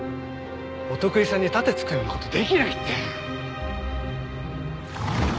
お得意さんに盾突くような事できないって！